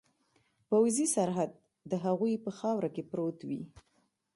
پوځي سرحد د هغوی په خاوره کې پروت وي.